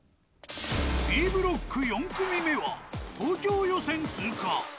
Ｂブロック４組目は東京予選通過。